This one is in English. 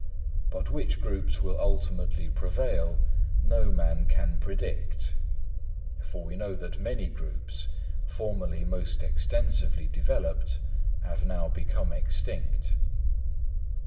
But which groups will ultimately prevail, no man can predict; for we know that many groups, formerly most extensively developed, have now become extinct.